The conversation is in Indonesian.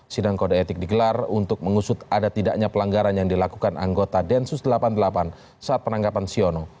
sidang kode etik digelar untuk mengusut ada tidaknya pelanggaran yang dilakukan anggota densus delapan puluh delapan saat penangkapan siono